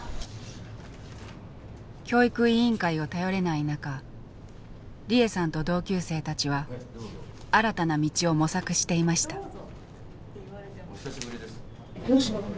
教育委員会を頼れない中利枝さんと同級生たちは新たな道を模索していました。